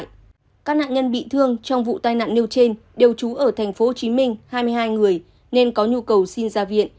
các nạn nhân bị thương trong vụ tai nạn nêu trên đều trú ở tp hcm hai mươi hai người nên có nhu cầu xin ra viện